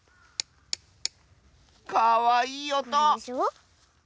かわいいおと！